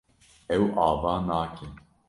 Ew ava nake.